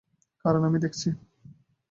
কারণ আমি দেখেছি!